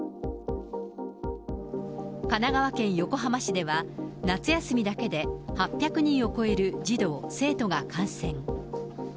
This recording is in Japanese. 神奈川県横浜市では、夏休みだけで、８００人を超える児童・生徒が感染。